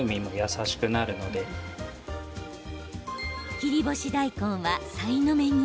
切り干し大根はさいの目に。